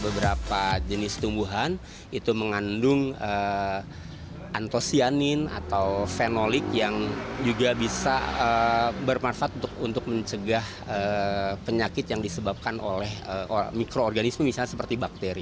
beberapa jenis tumbuhan itu mengandung antosianin atau fenolik yang juga bisa bermanfaat untuk mencegah penyakit yang disebabkan oleh mikroorganisme misalnya seperti bakteri